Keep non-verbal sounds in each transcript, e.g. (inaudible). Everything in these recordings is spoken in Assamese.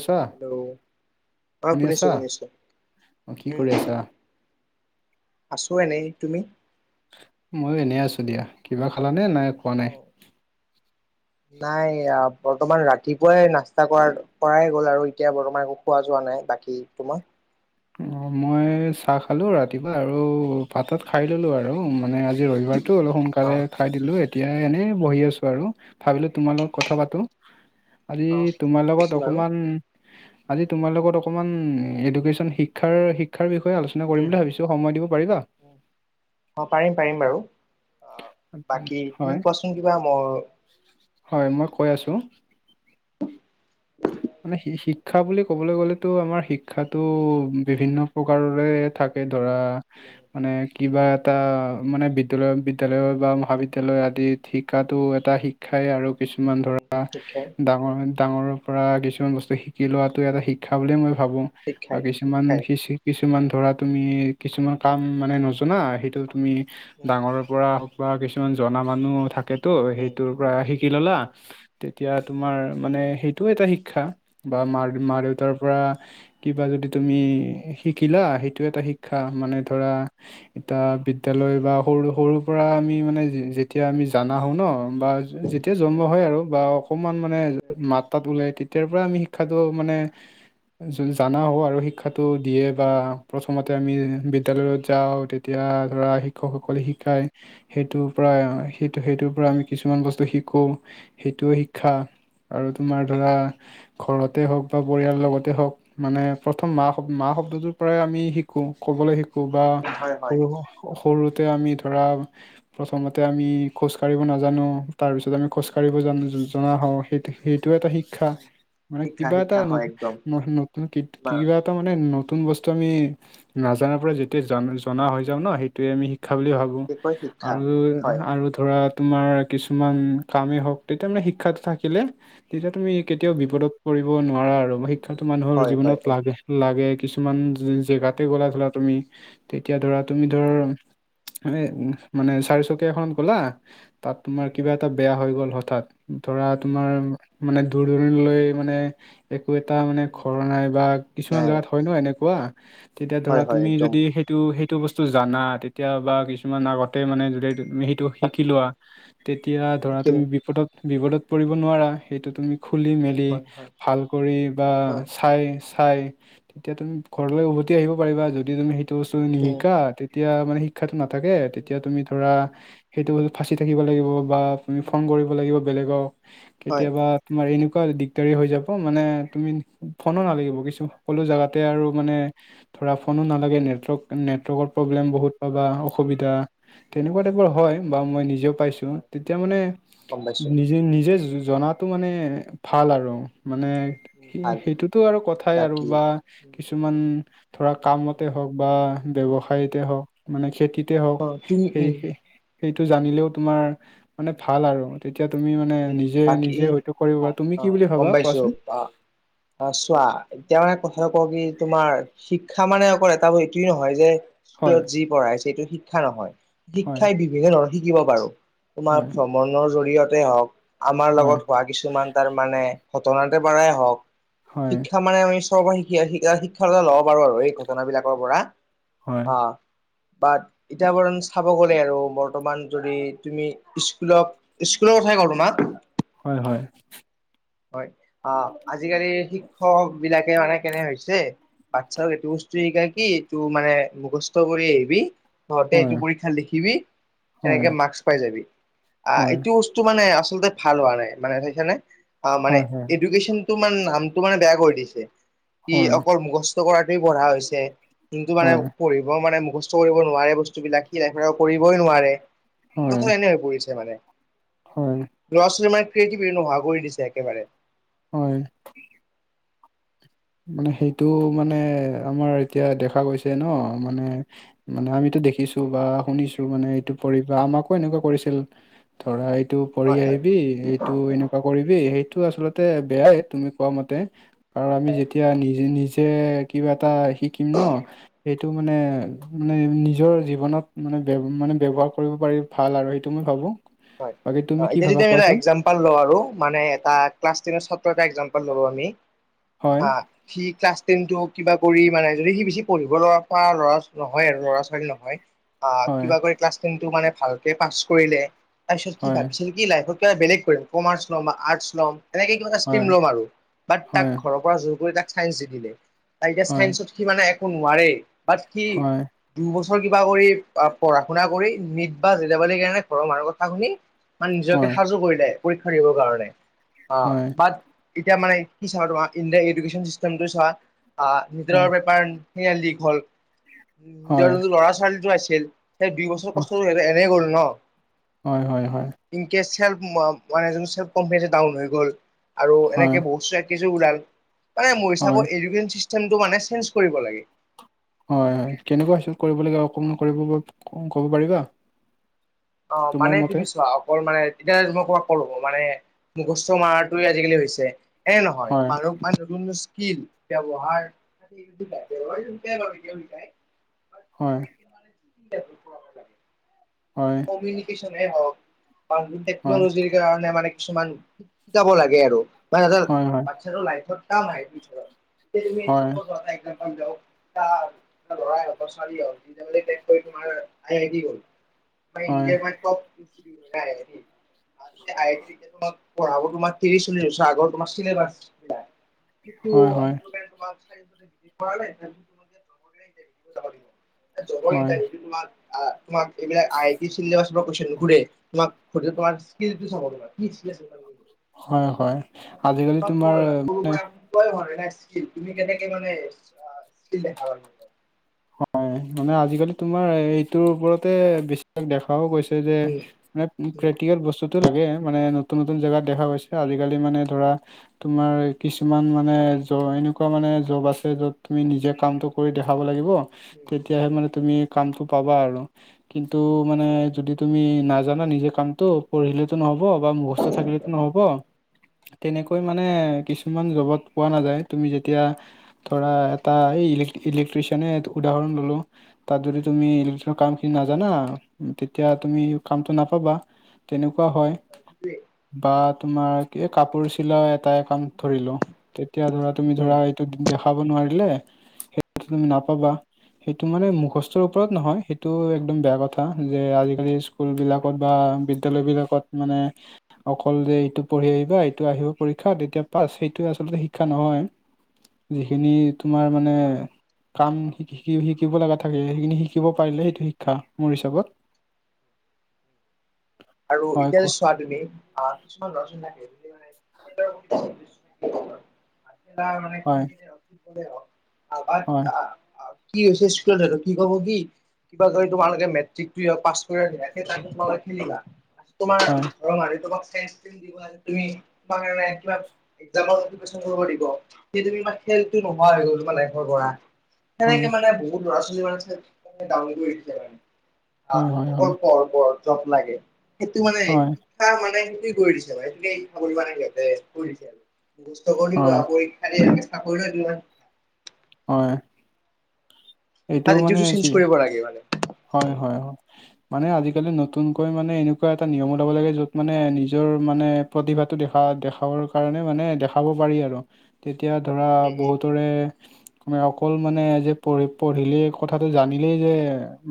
আছা হেল্ল' অ শুনি শুনিছো আছা শুনিছো। অ কি উম। কৰি আছা আছোঁ এনেই। তুমি? ময়ো এনেই আছো দিয়া। কিবা খালানে নাই? খোৱা নাই অ। নাই বৰ্তমান ৰাতিপুৱাই নাস্তা কৰা কৰাই গ'ল আৰু এতিয়া বৰ্তমান একো পোৱা যোৱা নাই। বাকী তোমা- অ মই চাহ খালো ৰাতিপুৱা আৰু ভাতত খাই ললো আৰু মানে আজি ৰবিবাৰটো অলপ অ সোনকালে খাই দিলো, এতিয়া এনেই বহি আছো আৰু ভাবিলো তোমাৰ লগত কথা পাতো। আজি অ তোমাৰ বুজিছো লগত বাৰু অকমান আজি তোমাৰ লগত অকমান এডুকেশ্যন শিক- ক্ষাৰ শিক্ষাৰ বিষয়ে আলোচনা কৰিম উম বুলি ভাবিছো সময় দিব পাৰিবা? অ পাৰিম পাৰিম বাৰু বাকী তুমি হয় কোৱাচোন কিবা ম- হয় মই কৈ আছোঁ। (inaudible) মানে শিক্ষা বুলি ক'বলৈ গ'লেতো আমাৰ শিক্ষাতো বিভিন্ন প্ৰকাৰৰে থাক- ধৰা মানে কিবা এটা মানে বিদ্যয়ালয় বিদ্যয়ালয় বা মহাবিদ্য- দ্যালয় আদি শিকাতো এটা শিক্ষাই আৰু কিছুমান ধৰা শিক্ষাই দা (unintelligible) ডাঙৰ পৰা কিছুমান বস্তু শিকি লোৱাটো এটা শিক- ক্ষা বুলি মই উম ভাবো বা শিক্ষাই কিছুমান শিক্ষাই শি চি কিছুমান ধৰা তুমি কিছুমান কাম মানে নজনা সেইটো তুমি উম ডাঙৰৰ পৰা বা কিছুমান জনা মানুহ উম থাকেতো উম সেইটোৰ পৰা শিকি ললা উম তেতিয়া তোমাৰ উম উম মানে সেইটোও এটা শিক্ষা বা মা মা উম উম উম উম দেউতাৰ পৰা কিবা যদি তুমি শিকিলা সেইটো এটা শিক- শিক্ষা মানে ধৰা এটা বিদ- তেয়ালৈ বা সৰু সৰুৰ পৰা আমি মানে যে যেতিয়া আমি জানা হও ন বা যেতিয়া জন্ম উম হয় আৰু বা অকণমান মানে মাত তাত ওলাই তেতিয়াৰ পৰাই আমি শিক্ষাটো মানে জা জানা হও আৰু শিক্ষাটো দিয়ে বা প্ৰথমতে আমি বিদ্যালয়ত যাওঁ তেতিয়া ধৰা শিক্ষকসকলে উম উম শিকায়। সেইটোৰ পৰা সেইটো সেইটোৰ পৰা আমি কিছুমান বস্তু শিকো উম সেইটোও শিক্ষা আৰু তোমাৰ ধৰা ঘৰতে হওক বা পৰিয়ালৰ লগতে হওক মানে প্ৰথম মা শব্দ মা শব্দটোৰ পৰাই আমি শিকোঁ ক'বলৈ শিক- বা হয় হয় সৰু একদম সৰুতে আমি ধৰা প্ৰথমতে উম আমি খোজ কাঢ়িব নাজানো তাৰ পিছত আমি খোজকাঢ়িব জান জ জনা হও সেইট সেইটো এটা শিক্ষা। উম মানে শিক্ষা কিবা এটা শিক্ষা ন হয় একদম নতুন কি বা কিবা তাৰ মানে উম নতুন বস্তু আমি নাজানাৰ পৰা যেতিয়া জা জনা হৈ যাও ন সেই- টোৱে উম আমি শিক্ষা বুলি ভাবো কি কয় শিক্ষা আৰু, হয় আৰু ধৰা তোমাৰ কিছুমান কামেই হওক তেতিয়া মানে শিক্ষাটো থাকিলে তেতিয়া তুমি উম কেতিয়াও বিপদত কৰিব নোৱাৰা আৰু উম শিক্ষাটো মানুহৰ হয় হয় জীৱনত এক লাগে। হয় লাগে কিছুমান যে জেগাতে উম গ'লা ধৰা তুমি তেতিয়া ধৰা উম তুমি ধৰ এ মানে চাৰিচকীয়া এখনত গলা তাত তোমাৰ উম কিবা এটা বেয়া হৈ গ'ল হঠাৎ ধৰা উম তোমাৰ মানে দূৰ দূৰণিলৈ মানে একো এটা মানে ঘৰ নাই বা কিছুমান নাই জেগাত হয় ন এনেকুৱা তেতিয়া হয় ধৰা হয় তুমি একদম যদি সেইট- টো সেইটো বস্তু জানা তেতিয়া বা কিছুমান আগতে মানে যদি তুমি সেইটো শিকি লোৱা তেতিয়া ধৰা কি তুমি বিপদত বিপদত পৰিব নোৱাৰা সেইটো তুমি খুলি উম মেলি হয় হয় ভাল কৰি বা হয় চাই চাই তেতিয়া তুম- ঘৰলৈ উম উভতি আহিব পাৰিবা যদি তুমি সেইটো বস্তু উম নিশিকা তেতিয়া মানে শিক- শিক্ষাটো নাথাকে উম তেতিয়া তুমি ধৰা উম সেইটো ফাঁচি থাকিব লাগিব বা তুমি উম ফোন কৰিব লাগিব বেলেগক হয় কেতিয়াবা তোমাৰ এনেকুৱা দিগদাৰী হৈ যাব মানে তুমি ফোনো নালাগিব কিছু সকলো জোগাতে আৰু উম মানে ধৰা ফোনো নালাগে নেটৱৰ্ক নেটৱৰ্কৰ উম প্ৰব্লেম বহুত পাবা উম উম অসুবিধা উম তেনেকুৱা টাইপৰ হয় বা মই নিজেও পাইছো হয়। তেতিয়া মানে গম পাইছো নিজে নিজে জনাতো মানে ভাল আৰু মানে উম উম সে ভাল সেইটোতো আৰু কথাই আৰু বাকী বা উম কিছুমান উম ধৰা উম কামতে হওক বা উম ব্যৱসায়ত হওক মানে খেতিতে হওক। অ তুমি সেই উম সেইটো জানিলেও তোমাৰ মানে উম ভাল আৰু তেতিয়া তুমি মানে উম নিজে বাকী নি- যে হয়তো কৰিব অ আৰু তুমি অ কি বুলি গম ভাবা পাইছো কোৱাচোন? অ অ চোৱা এতিয়া মানে কথাটো কওঁ কি তোমাৰ শিক্ষা মানে অকল এটা এইটোয়ে নহয় যে হয় স্কুলত যি পঢ়াইছে সেইটো শিক্ষা নহয়, হয় শিক্ষাই বিভেষে ন শিকিব পাৰোঁ তোমাৰ হয় ফ- মনৰ জৰিয়তে হওঁক আমাৰ হয় লগত হোৱাত কিছুমান তাৰ মানে ঘটনা পৰাই হওঁক হয় শিক্ষা মানে আমিচ শিক্ষকৰ শিকি আহি শিকা শিক শিক্ষা এটা ল'ব পাৰো আৰু এই ঘটনাবিলাকৰ পৰা হয় অহ বাট ইতাবৰণ চাব গ'লে আৰু বৰ্তমান যদি তুমি স্কুলক স্কুলৰ কথাই কও তোমাক (unintelligible) হয় হয়। হয় অ আজিকালি শিক্ষক বিলাকে মানে কেনে হৈছে বাচ্ছা এইটো বস্তু শিকা কি এইটো মানে মুখস্থ কৰি আহিবি তহতে হয় এইটো পৰীক্ষা লিখিবি হয় তেনেকে মাৰ্কচ পাই যাবি। আহ হয় এইটো বস্তু মানে আচলতে ভাল হোৱা নাই মানে ধেইখানে মানে হয় এডুকেশ্যন মানে নামটো মানে বেয়া কৰি দিছে কি হয় অকল মুখস্থ কৰাটোৱে পঢ়া হৈছে। যোনটো মানে হয় পঢ়িব মানে মুখস্থ কৰিব নোৱাৰে বস্তুবিলাক সি লাইফত কৰিবই নোৱাৰে। ত হয় খালে এনে হৈ পৰিছে মানে। হয়। ল'ৰা -ছোৱালীৰ মানে ক্ৰিয়েটিভিটি নোহোৱা কৰি দিছে একেবাৰে। হয়। মানে সেইটো মানে আমাৰ এতিয়া দেখা গৈছে ন মানে মানে আমিতো দেখিছো বা শুনিছো মানে এইটো পৰি বা আমাকো এনেকুৱা কৰিছিল। ধৰা এইটো পঢ়ি হয় হয় আহিবি এইট টো এনেকুৱা কৰিবি সেইটো আচলতে বেয়াই তুমি কোৱা মতে আৰু আমি যেত- যি নিজে কিবা এটা শিকিম ন সেইটো মানে মানে নিজৰ জীৱনত মানে বে মানে ব্যৱহাৰ কৰিব পাৰিব- ভাল আৰু সেইটো মই ভাবো, বাকী তুমি কি ভাবা কোৱাচোন? হ'ল ধ আৰু মানে এটা ক্লাছ টেনত এটা এক্সামপল ললোঁ আমি, হয় হা সি ক্লাছ টেনটো কিবা কৰি মানে, যদি সি বেছি পঢ়িব পৰা ল'ৰা নহয় আৰু ল'ৰা ছোৱালী নহয়। অ হয় কিবা কৰি ক্লাছ টেনটো মানে ভালকে পাছ কৰিলে তাৰপিছত সি হয় ভাবিছিল সি লাইফত কিবা বেলেগ কৰিম। কমাৰ্চ ল'ম বা আৰ্ছ ল'ম এনেকে কিবা এটা ষ্ট্ৰীম হয় ল'ম আৰু। বাট তাক হয় ঘৰ ৰ‌ পৰা জোৰ কৰি তাক চাইন্স দি দিলে, তাৰ এতিয়া হয় চাইন্সত সি মানে একো নোৱাৰে। বাট সি হয় দুবছৰ কিবা কৰি পঢ়া শুনা কৰি নিট বা জিলাভাৰি কাৰণে ঘৰৰ মানুহৰ কথা শুনি মানে নিজকে হয় সাজু কৰিলে পৰীক্ষা দিবৰ কাৰণে অহ, হয় বাট এতিয়া মানে কি চোৱা তোমাৰ ইণ্ডিয়াৰ এডুকেশ্যন চিষ্টেমটো চোৱা অহ হয়, নিটৰ পেপাৰ সেয়া লীক হ'ল। নিটৰ হয়, ল'ৰা ছোৱালীটো আছিল সেই দুই বছৰ অ কষ্ট কৰি এনে গ'ল ন। হয় হয় হয়। ইনকে চেল্ফ কনফিডেন্স ডাউন হৈ গ'ল আৰু হয়, এনেকে বহু চে ওলাল মানে মানে মোৰ হয়, হিচাপত এডুকেশ্বন চিষ্টেমটো মানে চেঞ্জ কৰিব লাগে। হয় হয় কেনেকুৱা চেঞ্জ কৰিব লগীয়া অকণমান কৰিব ক'ব পাৰিবা। অ তোমাৰ মানে মতে? তুমি চোৱা অকল মানে এতিয়া মই তোমাক ক'লো মানে মুখস্থ মৰাটো আজিকালি হৈছে। এ নহয় হয়, মানুহ মানে নতুন স্কিল ব্যৱহাৰ হয়। উটো (inaudible) হয়। এডুকেশ্বন হওঁক বা হয়, টেকনলজি কাৰণে মানে কিছুমান শিকাব লাগে আৰু মানে হয়, হয়, সিহঁতৰ (inaudible) লৰাই হওক হয়, বা ছোৱালীয়ে হওক কৰি তোমাৰ আই আই তি গল। হয়, হয়, (unintelligible) আগৰ তোমাৰ তিৰি চলি হৈছে আগৰ তোমাৰ চিলাবাছ বিলাক (unintelligible) হয়, (inaudible) জবৰ ইণ্টাৰভিউটো তোমাক আ তোমাক এইবিলাক আই চিল্লেবাছৰ হয়, পৰা কুৱেচন নোসোধে। তোমাক সোধে তোমাৰ স্কিলটো চাব তোমাৰ কি স্কিল আছে। হয়, হয়। আজি-কালি তোমাক তোমাৰ সৰুৰ (inaudible) স্কিল তুমি কেনেকে মানে আ স্কিল দেখাবা। সিহঁতক। হয় মানে আজি-কালি তোমাৰ এইটোৰ ওপৰতে বেছ দেখাও গৈছে যে উম, মান উম, প্ৰেক্টিকেল বচ টো লাগে মানে নতুন নতুন জেগাত দেখা গৈছে। আজি-কালি মানে ধৰা তোমাৰ কিছুমান মানে জ এনেকুৱা মানে জব আছে যত তুমি নিজে কামটো কৰি দেখাব লাগিব। উম, তেতিয়াহে মানে উম, তুমি কামটো পাবা আৰু, কিন্তু মানে যদি তুমি নাজানা নিজে কামটো পঢ়িলে নহ'ব বা মুখস্থ থাকিলেতো নহ'ব। তেনেকৈ মানে কিছুমান জবত পোৱা নাযায়। তুমি যেতিয়া ধৰা এটা এই ইলেক-ইলেকট্ৰছিয়ানে উদাহৰণ ল'লো। তাত যদি তুমি ইলেকটিছিয়ানৰ কামখিনি নাজানা তেতিয়া তুমি কামটো নাপাবা। তেনেকুৱা হয়। (unintelligible) বা তোমাৰ কি কাপোৰ চিলা এটাই কাম ধৰিলো তেতিয়া ধৰা তুমি উম, ধৰা দেখাব নোৱাৰিলে (unintelligible) নাপাবা। সেইটো মানে মুখস্থৰ উম। ওপৰত নহয়। সেইটো একদম বেয়া কথা যে আজি-কালি স্কুলবিলাকত বা বিদ্যালয়বিলাকত মানে অকল যে এইটো পঢ়ি আহিবা, এইটো আহিব পৰীক্ষাত তেতিয়া পাছ। সেইটো আচলতে শিক্ষা নহয়। যিখিনি তোমাৰ মানে আৰু কাম শি শিকি শিকিব লাগা থাকে সেইখিনি শিকিব পাৰিলে সেইটো শিক্ষা মোৰ হিচাপত। আৰু হয় এতিয়া ক চো তুমি আ কিছুমান লচ হৈ থাকে। তাৰমানে ক্ৰ হয় (unintelligible) হওক আমাৰ হয় আ। কি হৈছে (unintelligible) আৰু কি কব কি। কিবা কৰি তোমালোকে মেট্ৰিক টোৱে পাছ কৰিলা (unintelligible) তোমাৰ হয় ঘৰৰ মানুহই তোমাক (unintelligible) দিব তুমি কিবা। কৰিব দিব কেইদিন মান সেইটো নোহোৱা হৈ গ'ল তোমাৰ লাইৰ পৰা। হয় সেনেকে মানে বহুত ল'ৰা-ছোৱালী মানে ডাঙিছে মানে। হয় হয় আহ অকল হয় পৰ পৰ জত লাগে সেইটো মানে। হয় তাৰ মানে সেইটোৱে কৰি দিছে ম সেইটোকে ইচ্ছা কৰিবা নে সিহঁতে কৰি দিছে আৰু সুস্থ কৰি (unintelligible) হয় চাকৰিটো আনি লোৱা। হয়। তা যিটো চেইঞ্জ কৰিব লাগে মানে। হয়-হয়-হয়। মানে আজিকালি নতুনকৈ মানে এনেকুৱা এটা নিয়ম ওলাব লাগে য'ত মানে নিজৰ মানে প্ৰতিভাটো দেখা দেখাবৰ কাৰণে মানে দেখাব পাৰি আৰু। তেতিয়া ধৰা উম উম উম বহুতৰে তোমাৰ অকল মানে যে পঢ়ি পঢ়িলেই কথাটো জানিলেই যে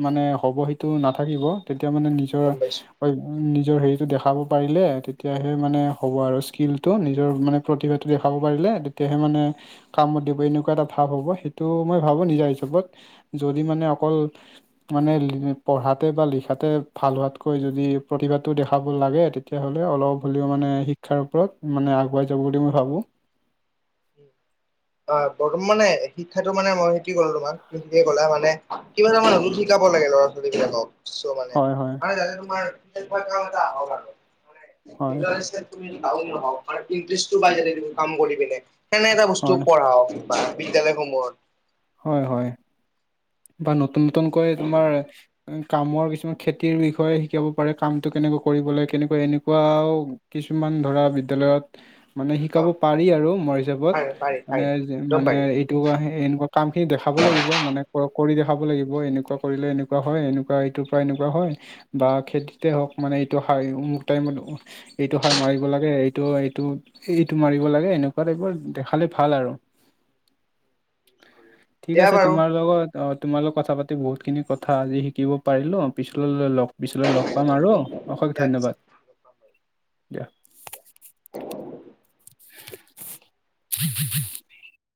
মানে হ'ব সেইটো নাথাকিব তেতিয়া মানে নিজৰ গম পাইছো। হয়, নিজৰ হেৰিটো দেখাব পাৰিলে তেতিয়াহে মানে হ'ব আৰু স্কিলটো নিজৰ মানে প্ৰতিভাটো দেখাব পাৰিলে। তেতিয়াহে মানে কামত দিব এনেকুৱা এটা ভাৱ হ'ব। সেইটো মই ভাবো নিজা হিচাপত যদি মানে অকল মানে পঢ়াতে বা লিখাতে ভাল হোৱাতকৈ যদি প্ৰতিভাটো দেখাব লাগে তেতিয়াহ'লে অলপ হ'লেও মানে শিক্ষাৰ ওপৰত মানে আগুৱাই যাব বুলি মই ভাবো। (inaudible) হয়, বৰ্তমান মানে শিক্ষাটো মানে মই সেইটো কলো তোমাক সেয়ে ক'লে মানে কিবা এটা মানুহত শিকাব লাগে ল'ৰা বিলাকক। চ' মানে হয় হয় মানে য তোমাৰ আৰু হয় (unintelligible) ই আহক, নাহক ইণ্টেৰেজটো পায় কাম কৰি পিনে তেনে এটা বস্তু হয় পঢ়াওক। বা বিদ্যালয়সমূহত। হয়, হয় বা নতুন নতুনকৈ তোমাৰ। কামৰ কিছুমান খেতিৰ বিষয়ে শিকাব পাৰে, কামটো কেনেকৈ কৰিবলৈ, কেনেকৈ এনেকুৱাও কিছুমান ধৰা বিদ্যালয়ত মানে শিকাব অ পাৰি আৰু মোৰ হিচাপত, পাৰি পাৰি মানে পাৰি একদম মানে পাৰি এইটো এনেকুৱা কামখিনি দেখাব লাগিব মানে কৰি দেখাব লাগিব। এনেকুৱা কৰিলে এনেকুৱা হয়, এনেকুৱা এইটোৰ পৰা এনেকুৱা হয়। বা খেতিতে হওঁক মানে এইটো সাৰ অমুক টাইমত এইটো সাৰ মাৰিব লাগে, এইটো এইটো এইটো মাৰিব লাগে এনেকুৱা টাইপৰ দেখালে ভাল আৰু। (inaudible) ঠিক আছে, তোমাৰ লগত তোমাৰ লগত কথা পাতি বহুতখিনি কথা আজি শিকিব পাৰিলোঁ। পিছলৈ লওক পিছলৈ লগ পাম আৰু অশেষ দিয়া ধন্যবাদ পিছে দিয়া। (unintelligible)